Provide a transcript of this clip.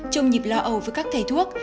trong nhịp lo ẩu với các thầy thuốc